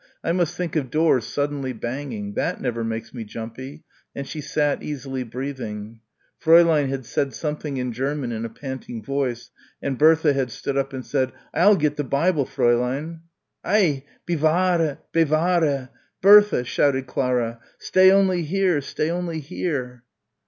I must think of doors suddenly banging that never makes me jumpy and she sat easily breathing. Fräulein had said something in German in a panting voice, and Bertha had stood up and said, "I'll get the Bible, Fräulein." "Ei! Bewahre! Ber_tha_!" shouted Clara. "Stay only here! Stay only here!"